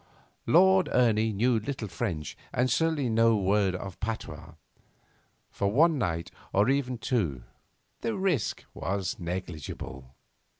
Lord Ernie knew little French, and certainly no word of patois. For one night, or even two, the risk was negligible.